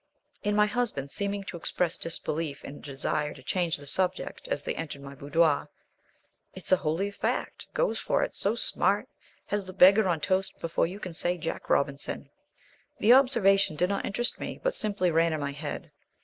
And, my husband seeming to express disbelief and a desire to change the subject as they entered my boudoir, "It's a holy fact! Goes for it, so smart! Has the beggar on toast before you can say 'Jack Robinson!'" The observation did not interest me, but simply ran in my head.